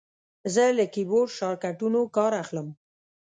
زه له کیبورډ شارټکټونو کار اخلم.